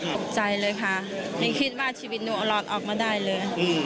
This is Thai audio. ตกใจเลยค่ะไม่คิดว่าชีวิตหนูเอารอดออกมาได้เลย